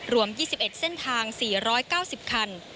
รวม๒๑เส้นทาง๔๙๐คัน